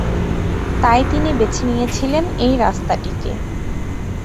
তাই তিনি বেছে নিয়েছিলেন এই রাস্তাটিকে।